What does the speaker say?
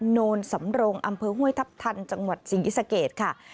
โนรสำโรงอำเภอห้วยทับทันจังหวัดสิงห์อิสเกตค่ะ